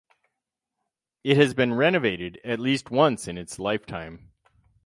It has been renovated at least once in its lifetime.